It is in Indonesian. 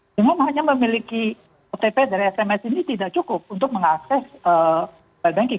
cuma hanya memiliki otp dari sms ini tidak cukup untuk mengakses banking